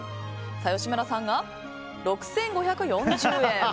吉村さんが６５４０円。